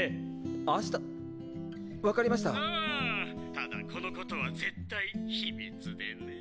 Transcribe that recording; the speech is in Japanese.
ただこのことは絶対秘密でねぇ。